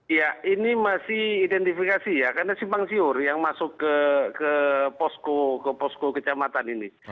ya ini masih identifikasi ya karena simpang siur yang masuk ke posko ke posko kecamatan ini